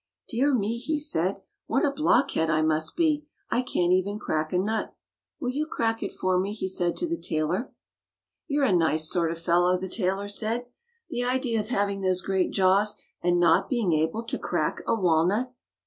"Dear me," he said, "what a blockhead I must be! I can't even crack a nut. Will you crack it for me.^" he said to the tailor. "You're a nice sort of fellow," the tailor said. "The idea of having those great jaws and not being able to crack a walnut!"